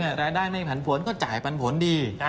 รายได้ไม่ผันผลก็จ่ายปันผลดี